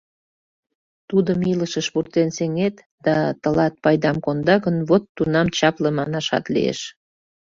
Тудым илышыш пуртен сеҥет да тылат пайдам конда гын, вот тунам чапле манашат лиеш.